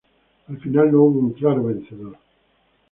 Al final no hubo un claro vencedor.